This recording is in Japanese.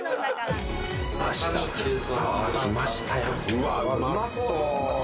うわっうまそう。